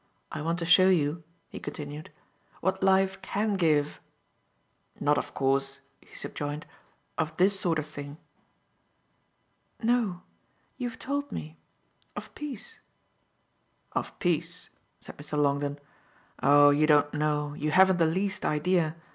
I want to show you," he continued, "what life CAN give. Not of course," he subjoined, "of this sort of thing." "No you've told me. Of peace." "Of peace," said Mr. Longdon. "Oh you don't know you haven't the least idea.